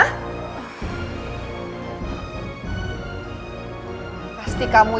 itu udah kelihatan